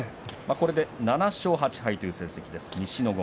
これで７勝８敗という成績です。